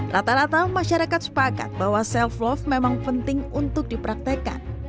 rata rata masyarakat sepakat bahwa self love memang penting untuk dipraktekkan